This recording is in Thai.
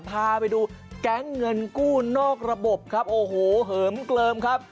พาไปดูแก๊งเงินกู้นอกระบบฮัมกลมครับ